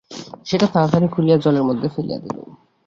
সেটা তাড়াতাড়ি খুলিয়া জলের মধ্যে ফেলিয়া দিল।